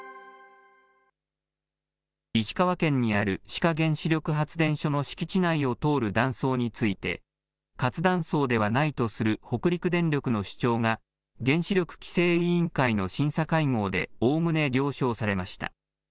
石川県にある志賀原子力発電所の敷地内を通る断層について、活断層ではないとする北陸電力の主張が、原子力規制委員会の審査会合でおおむね了承されました。